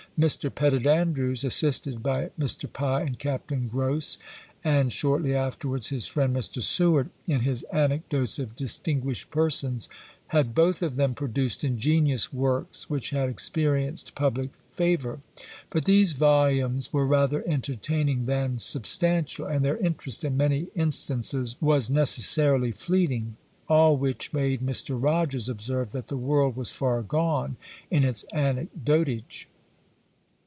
Mr. Pettit Andrews, assisted by Mr. Pye and Captain Grose, and shortly afterwards, his friend, Mr. Seward, in his "Anecdotes of Distinguished Persons," had both of them produced ingenious works, which had experienced public favour. But these volumes were rather entertaining than substantial, and their interest in many instances was necessarily fleeting; all which made Mr. Rogers observe, that the world was far gone in its anecdotage.